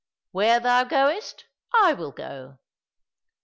Where thou goest I will go."